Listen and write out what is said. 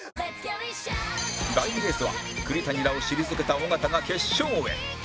第２レースは栗谷らを退けた尾形が決勝へ